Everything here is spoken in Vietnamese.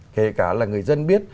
kể cả là người dân biết